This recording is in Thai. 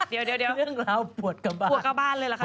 เดี๋ยวเรื่องราวปวดกระบานปวดกระบานเลยเหรอครับพี่